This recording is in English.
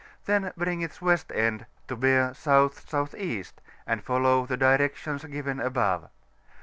then bring its west end to bear S.S.E., and follow the directions given above.